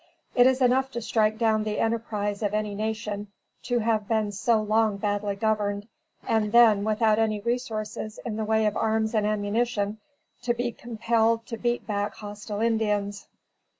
It is enough to strike down the enterprise of any nation to have been so long badly governed, and then, without any resources in the way of arms and ammunition, to be compelled to beat back hostile Indians.